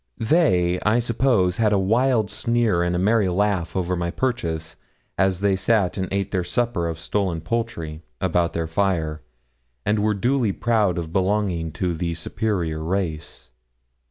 They, I suppose, had a wild sneer and a merry laugh over my purchase, as they sat and ate their supper of stolen poultry, about their fire, and were duly proud of belonging to the superior race.